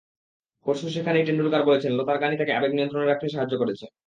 পরশু সেখানেই টেন্ডুলকার বলেছেন লতার গানই তাঁকে আবেগ নিয়ন্ত্রণে রাখতে সাহায্য করেছে।